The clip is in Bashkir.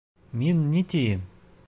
Мин ни тием?